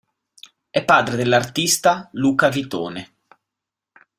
È padre dell'artista Luca Vitone.